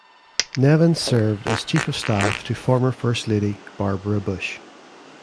Nevins served as Chief of Staff to former First Lady Barbara Bush.